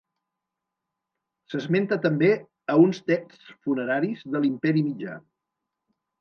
S'esmenta també a uns texts funeraris de l'Imperi mitjà.